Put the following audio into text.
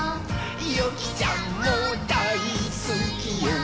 「ゆきちゃんもだいすきよ」